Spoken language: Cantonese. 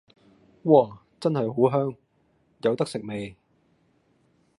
嘩！真係好香，有得食未